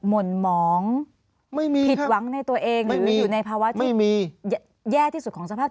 หม่นหมองพิกวังในตัวเองแต่ไหนพาวะเนี่ยแย่ที่สุดของสภาพ